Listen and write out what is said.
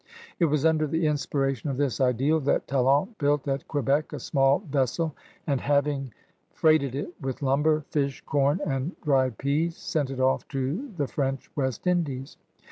It was under the inspiration of this ideal that Talon built at Quebec a small vessel and, having 198 CRUSADERS OF NEW PRANCE freighted it with Iumber> fish» com, and dried pease, sent it off to the French West Indies.